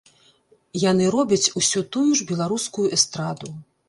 Яны робяць усё тую ж беларускую эстраду.